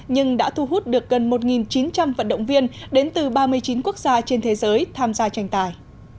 nhưng đã thu hút được gần một chín trăm linh vận động viên đến từ ba mươi chín quốc gia trên thế giới tham gia tranh tài